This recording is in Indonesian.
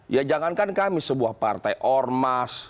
ya jangankan kami sebuah partai ormas